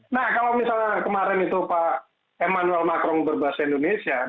nah kalau misalnya kemarin itu pak emmanuel macron berbahasa indonesia